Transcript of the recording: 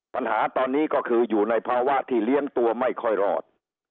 ปัญหาตอนนี้ก็คืออยู่ในภาวะที่เลี้ยงตัวไม่ค่อยรอด